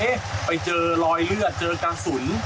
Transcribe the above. ไปเจอรอยเลือดเจอกระสุน